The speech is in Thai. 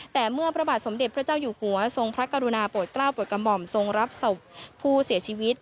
แต่เมื่อพระบาทสมเด็จพระเจ้าอยู่หัวทรงพระกรุณาโปรดกล้าวโปรดกระหม่อมทรงรับศพผู้เสียชีวิต